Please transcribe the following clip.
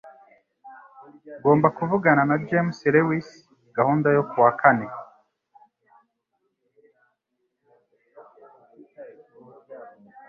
Ngomba kuvugana na James Lewis gahunda yo kuwa kane